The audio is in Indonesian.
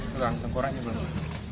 tulang tengkoranya belum